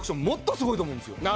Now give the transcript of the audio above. もっとすごいと思うんですよ